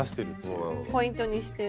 ポイントにして。